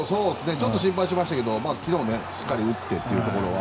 ちょっと心配しましたが昨日しっかり打ってというところは。